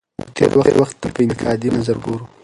موږ تېر وخت ته په انتقادي نظر ګورو.